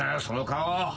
その顔。